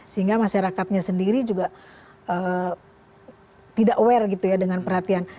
sehingga masyarakatnya sendiri juga tidak aware dengan perhatian